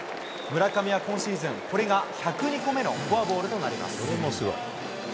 村上は今シーズン、これが１０２個目のフォアボールとなります。